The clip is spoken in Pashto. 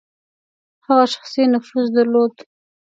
هغه شخصي نفوذ درلود.